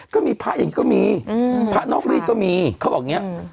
ก็มีพระอย่างนี้ก็มีพระนอกรีดก็มีเขาบอกอย่างนี้